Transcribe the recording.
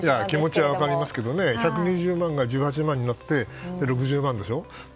気持ちは分かりますけど１８０万が１８万になって、６０万でしょ。